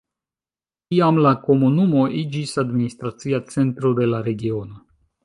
Tiam la komunumo iĝis administracia centro de la regiono.